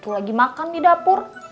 aku lagi makan di dapur